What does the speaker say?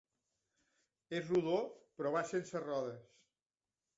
És rodó però va sense rodes.